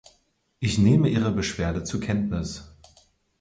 Ich nehme Ihre Beschwerde zur Kenntnis.